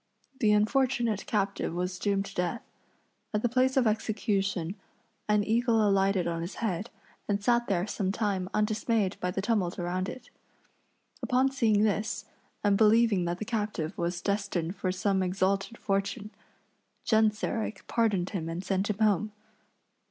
The unfortunate captive was doomed to death. At the place of execution an eagle alighted on his head and sat there some time undismayed by the tumult around it. Upon seeing this, and believing that the captive was destined for some exalted fortune, Genseric pardoned him and sent him home.